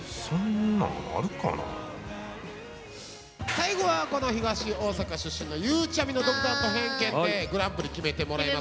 最後はこの東大阪出身のゆうちゃみの独断と偏見でグランプリ決めてもらいますので。